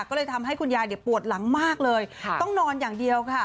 ก็เลยทำให้คุณยายปวดหลังมากเลยต้องนอนอย่างเดียวค่ะ